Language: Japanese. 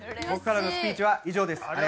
僕からのスピーチは以上です。